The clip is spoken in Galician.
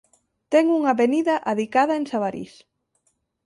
Ten unha avenida adicada en Sabarís.